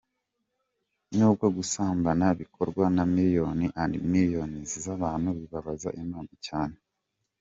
Nubwo gusambana bikorwa na millions and millions z’abantu, bibabaza imana cyane.